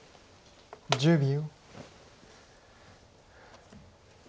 １０秒。